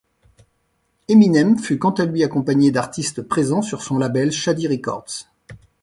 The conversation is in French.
Eminem fut quant à lui accompagné d'artistes présents sur son label Shady Records.